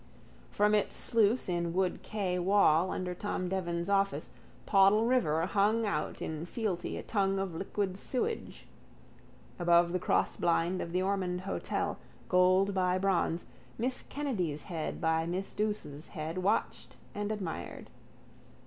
From its sluice in Wood quay wall under Tom Devan's office Poddle river hung out in fealty a tongue of liquid sewage. Above the crossblind of the Ormond hotel, gold by bronze, Miss Kennedy's head by Miss Douce's head watched and admired.